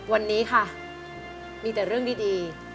วันนี้ค่ะมีแต่เรื่องดี